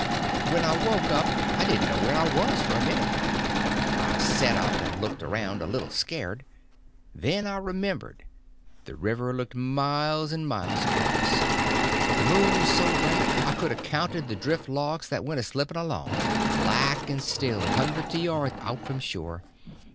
When I woke up I didn't know where I was for a minute. I set up and looked around, a little scared. Then I remembered. The river looked miles and miles across. The moon was so bright I could a counted the drift logs that went a slipping along, black and still, hundreds of yards out from shore.